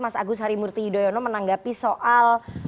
mas agus harimurti yudhoyono menanggapi soal